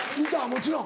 もちろん。